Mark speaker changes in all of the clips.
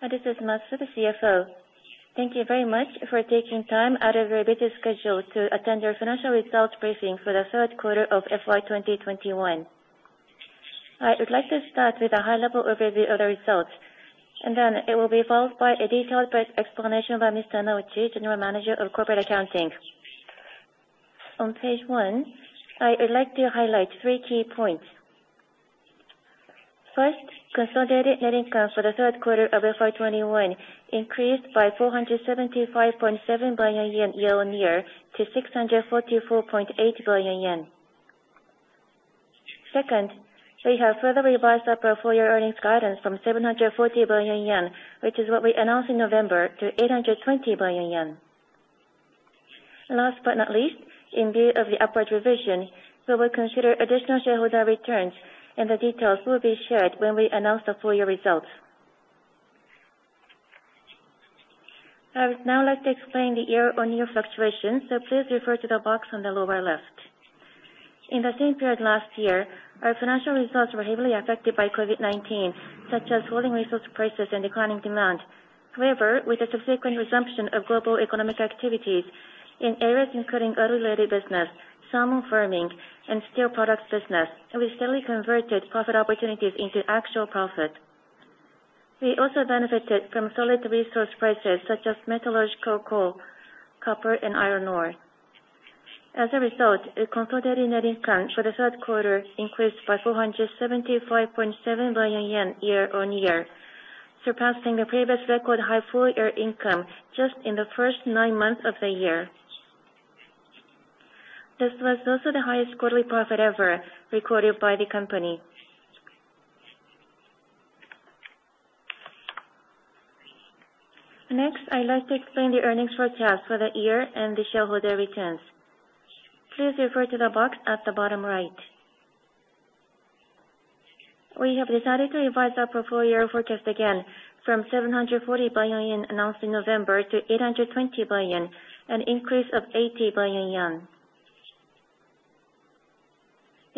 Speaker 1: This is Masa, the CFO. Thank you very much for taking time out of your busy schedule to attend our financial results briefing for the third quarter of FY2021. I would like to start with a high level overview of the results, and then it will be followed by a detailed pre-explanation by Mr. Nojima, General Manager of Corporate Accounting. On page one, I would like to highlight three key points. First, consolidated net income for the third quarter of FY2021 increased by 475.7 billion yen year-on-year to 644.8 billion yen. Second, we have further revised up our full-year earnings guidance from 740 billion yen, which is what we announced in November, to 820 billion yen. Last but not least, in view of the upward revision, we will consider additional shareholder returns, and the details will be shared when we announce the full-year results. I would now like to explain the year-on-year fluctuations, so please refer to the box on the lower left. In the same period last year, our financial results were heavily affected by COVID-19, such as falling resource prices and declining demand. However, with the subsequent resumption of global economic activities in areas including auto-related business, salmon farming, and steel products business, we steadily converted profit opportunities into actual profit. We also benefited from solid resource prices such as metallurgical coal, copper, and iron ore. As a result, the consolidated net income for the third quarter increased by 475.7 billion yen year-on-year, surpassing the previous record high full-year income just in the first nine months of the year. This was also the highest quarterly profit ever recorded by the company. Next, I'd like to explain the earnings forecast for the year and the shareholder returns. Please refer to the box at the bottom right. We have decided to revise our full-year forecast again from 740 billion yen announced in November to 820 billion, an increase of 80 billion yen.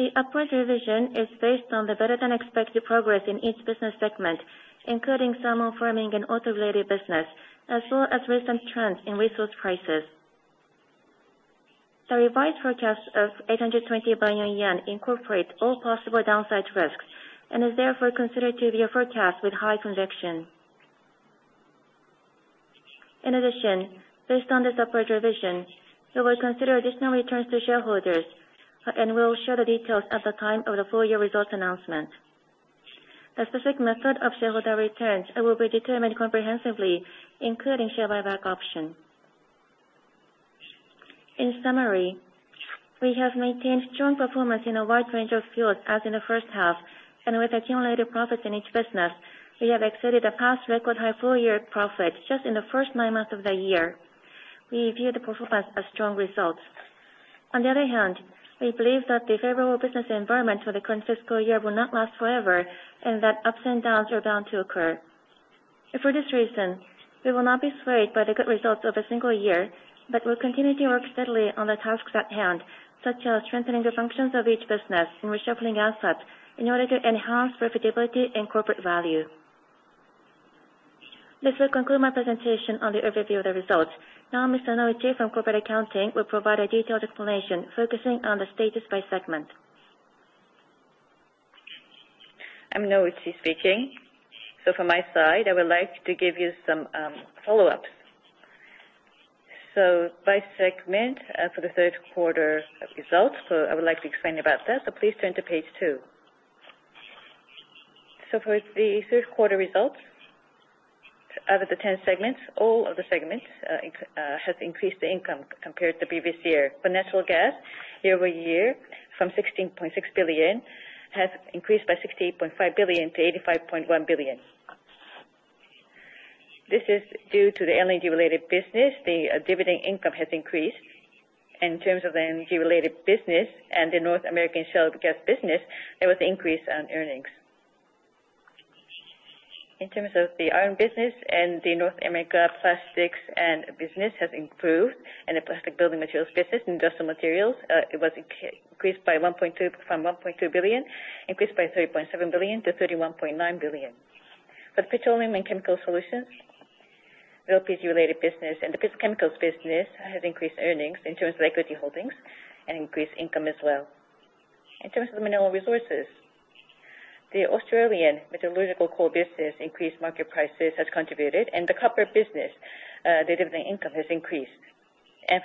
Speaker 1: The upward revision is based on the better-than-expected progress in each business segment, including salmon farming and auto-related business, as well as recent trends in resource prices. The revised forecast of 820 billion yen incorporates all possible downside risks and is therefore considered to be a forecast with high conviction. In addition, based on this upward revision, we will consider additional returns to shareholders, and we'll share the details at the time of the full-year results announcement. The specific method of shareholder returns. It will be determined comprehensively, including share buyback option. In summary, we have maintained strong performance in a wide range of fields as in the first half. With accumulated profit in each business, we have exceeded the past record high full-year profit just in the first nine months of the year. We view the performance as strong results. On the other hand, we believe that the favorable business environment for the current fiscal year will not last forever and that ups and downs are bound to occur. For this reason, we will not be swayed by the good results of a single year, but will continue to work steadily on the tasks at hand, such as strengthening the functions of each business and reshuffling assets in order to enhance profitability and corporate value. This will conclude my presentation on the overview of the results. Now, Mr. Yoshiyuki Nojima from Corporate Accounting will provide a detailed explanation focusing on the status by segment.
Speaker 2: I'm Noji speaking. From my side, I would like to give you some follow-ups. By segment, for the third quarter results, I would like to explain about that. Please turn to page two. For the third quarter results, out of the ten segments, all of the segments has increased the income compared to previous year. For Natural Gas, year-over-year from 16.6 billion, has increased by 68.5 billion to 85.1 billion. This is due to the LNG-related business. The dividend income has increased. In terms of the energy-related business and the North American shale gas business, there was increase in earnings. In terms of the iron ore business and the North American plastic building materials business has improved in the plastic building materials business, Industrial Materials, it increased from 1.2 billion by 3.7 billion to 31.9 billion. For Petroleum & Chemicals Solution, LPG-related business and the chemicals business has increased earnings in terms of equity holdings and increased income as well. In terms of the Mineral Resources, the Australian metallurgical coal business, increase in market prices has contributed, and the copper business, the dividend income has increased.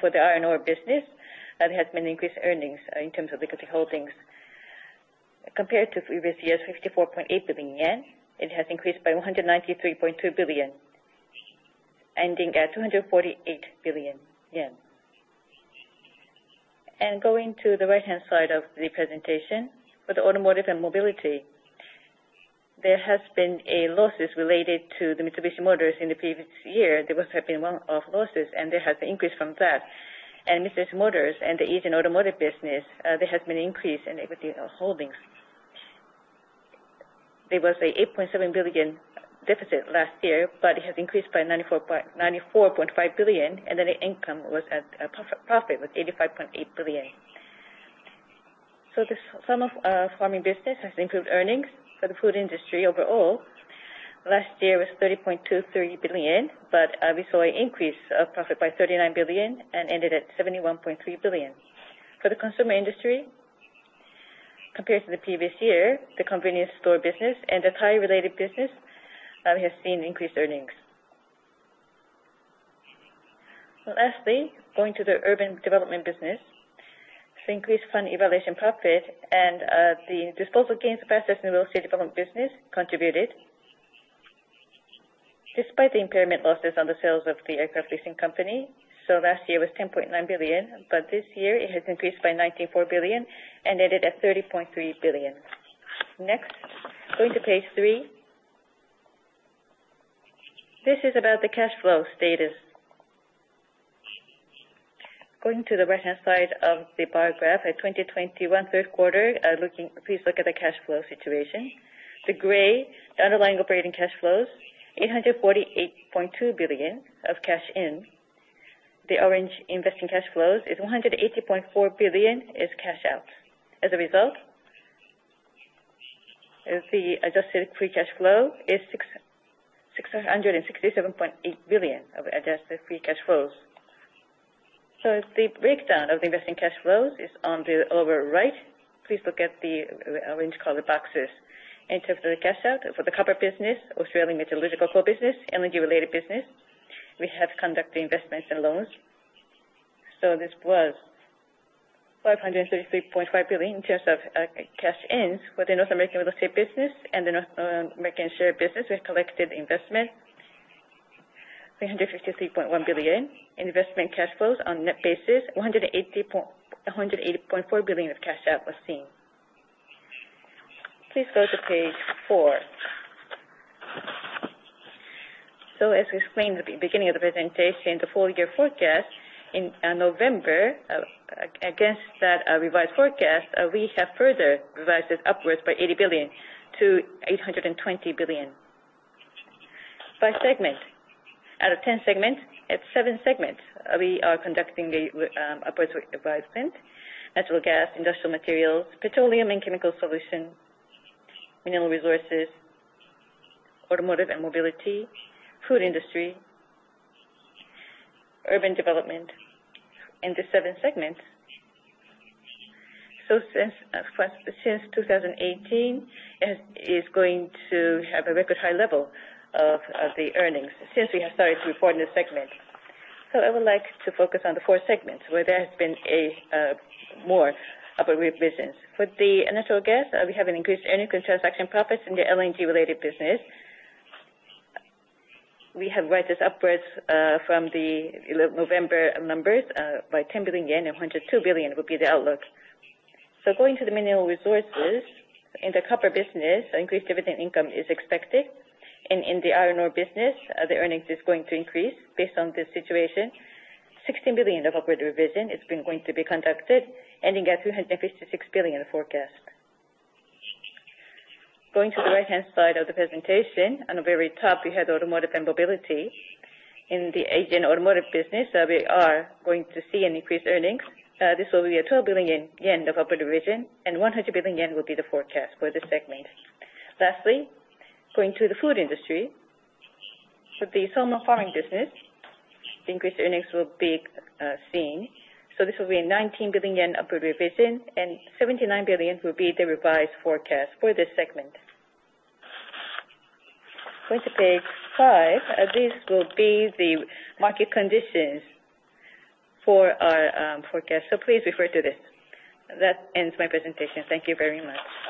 Speaker 2: For the iron ore business, that has been increased earnings in terms of equity holdings. Compared to previous year's 64.8 billion yen, it has increased by 193.2 billion, ending at 248 billion yen. Going to the right-hand side of the presentation, for the Automotive & Mobility, there have been losses related to the Mitsubishi Motors in the previous year. There have been one-off losses, and there has been an increase from that. Mitsubishi Motors and the Asian automotive business, there has been an increase in equity holdings. There was a 8.7 billion deficit last year, but it has increased by 94.5 billion, and then the income was at profit was 85.8 billion. The salmon farming business has improved earnings for the Food Industry overall. Last year was 30.23 billion, but we saw an increase of profit by 39 billion and ended at 71.3 billion. For the Consumer Industry, compared to the previous year, the convenience store business and the Thai-related business has seen increased earnings. Lastly, going to the Urban Development business. The increase in fund evaluation profit and the disposal gains from real estate development business contributed despite the impairment losses on the sales of the aircraft leasing company. Last year was 10.9 billion, but this year it has increased by 94 billion and ended at 30.3 billion. Next, going to page 3. This is about the cash flow status. Going to the right-hand side of the bar graph at 2021 third quarter, please look at the cash flow situation. The gray, the underlying operating cash flows, 848.2 billion of cash in. The orange investing cash flows is 180.4 billion is cash out. As a result, the adjusted free cash flow is 667.8 billion of adjusted free cash flows. The breakdown of investing cash flows is on the lower right. Please look at the orange color boxes. In terms of the cash out for the copper business, Australian metallurgical coal business, energy-related business, we have conducted investments and loans. This was 533.5 billion in terms of cash ins for the North American real estate business and the North American shale business with collective investment, 353.1 billion. Investing cash flows on net basis, 180.4 billion of cash out was seen. Please go to page four. As we explained at the beginning of the presentation, the full year forecast in November, against that revised forecast, we have further revised it upwards by 80 billion to 820 billion. By segment, out of 10 segments, at 7 segments, we are conducting the upwards revision. Natural Gas, Industrial Materials, Petroleum & Chemicals Solution, Mineral Resources, Automotive & Mobility, Food Industry, Urban Development, and the seven segments. Since 2018, it is going to have a record high level of the earnings since we have started to report in this segment. I would like to focus on the four segments where there has been a more upward revisions. For the Natural Gas, we have an increased earnings and transaction profits in the LNG-related business. We have raised this upwards from the November numbers by 10 billion yen and 102 billion will be the outlook. Going to the Mineral Resources, in the copper business, increased dividend income is expected. In the iron ore business, the earnings is going to increase based on this situation. 60 billion of upward revision is going to be conducted, ending at 356 billion forecast. Going to the right-hand side of the presentation, on the very top we have Automotive & Mobility. In the Asian automotive business, we are going to see an increased earnings. This will be a 12 billion yen of upward revision and 100 billion yen will be the forecast for this segment. Lastly, going to the Food Industry. With the salmon farming business, increased earnings will be seen. This will be a 19 billion yen upward revision and 79 billion will be the revised forecast for this segment. Going to page 5, this will be the market conditions for our forecast. Please refer to this. That ends my presentation. Thank you very much.